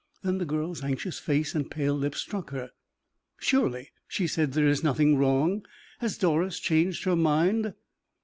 Then the girl's anxious face and pale lips struck her. "Surely," she said, "there is nothing wrong! Has Doris changed her mind?"